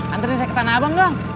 antren saya ke tanah abang doang